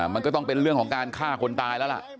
มันก็ต้องเป็นเรื่องของการฆ่าคนตายแล้วล่ะ